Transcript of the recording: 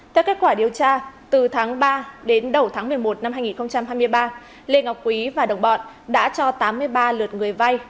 theo kết quả điều tra từ tháng ba đến đầu tháng một mươi một năm hai nghìn hai mươi ba lê ngọc quý và đồng bọn đã cho tám mươi ba lượt người vay